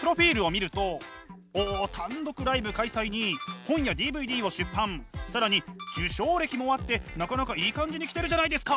プロフィールを見るとお単独ライブ開催に本やＤＶＤを出版更に受賞歴もあってなかなかいい感じに来てるじゃないですか。